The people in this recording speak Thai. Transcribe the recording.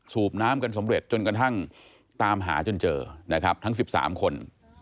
น้ำกันสำเร็จจนกระทั่งตามหาจนเจอนะครับทั้ง๑๓คน